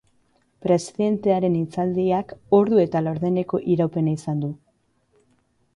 Presidentearen hitzaldiak ordu eta laurdeneko iraupena izan du.